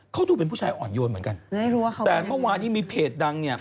เขาดูเป็นผู้ชายอ่อนโยนเหมือนกันแต่เมื่อวานที่มีเพจดังเนี่ย